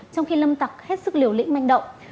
trong khi lâm tặc hết sức liều lĩnh manh động